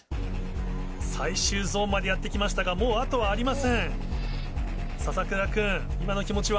最終ゾーンまでやって来ましたがもう後はありません。